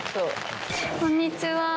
こんにちは。